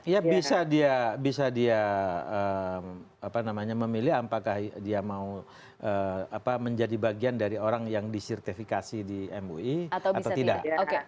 ya bisa dia bisa dia apa namanya memilih apakah dia mau apa menjadi bagian dari orang yang disertifikasi di mui atau tidak